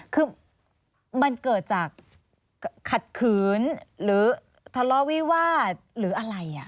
คือมันเกิดจากขัดขืนหรือทะเลาะวิวาสหรืออะไร